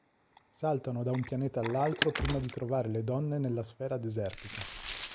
Saltano da un pianeta all'altro prima di trovare le donne nella sfera desertica.